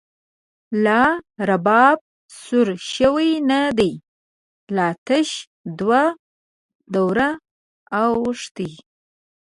لا رباب سور شوی نه دی، لا تش دوه دوره او ښتی